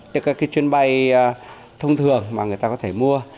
các chuyến bay thông thường mà người ta có thể mua